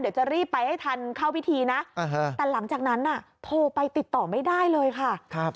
เดี๋ยวจะรีบไปให้ทันเข้าพิธีนะแต่หลังจากนั้นโทรไปติดต่อไม่ได้เลยค่ะ